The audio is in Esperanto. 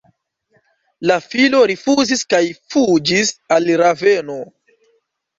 La filo rifuzis kaj fuĝis al Raveno.